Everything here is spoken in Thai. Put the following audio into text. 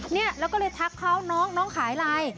เนี้ยรก็เลยทับเขาน้องน้องขายอะไร